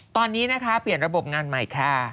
ตอนนี้นะคะเปลี่ยนระบบงานใหม่ค่ะ